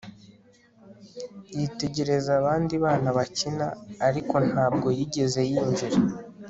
yitegereza abandi bana bakina, ariko ntabwo yigeze yinjira